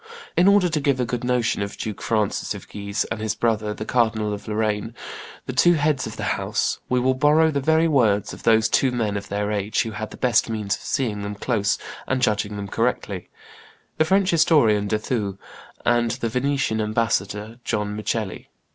In order to give a good notion of Duke Francis of Guise and his brother the Cardinal of Lorraine, the two heads of the house, we will borrow the very words of those two men of their age who had the best means of seeing them close and judging them correctly, the French historian De Thou and the Venetian ambassador John Micheli.